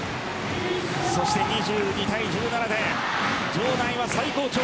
そして２２対１７で場内は最高潮。